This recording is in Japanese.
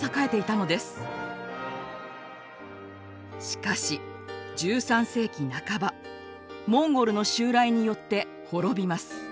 しかし１３世紀半ばモンゴルの襲来によって滅びます。